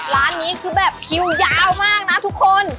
ร้านนี้คือแบบคิวยาวมากนะทุกคน